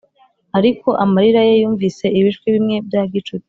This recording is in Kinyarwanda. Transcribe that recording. ariko amarira ye yumvise ibishwi bimwe bya gicuti,